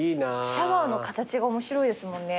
シャワーの形が面白いですもんね